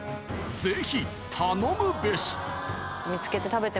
［ぜひ頼むべし］